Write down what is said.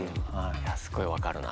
いやすごい分かるな。